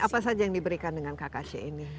apa saja yang diberikan dengan kkc ini